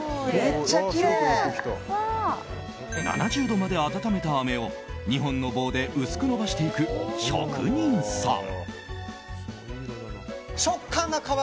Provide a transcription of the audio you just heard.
７０度まで温めたあめを２本の棒で薄く延ばしていく職人さん。